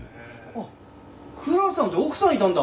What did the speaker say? あクラさんって奥さんいたんだ。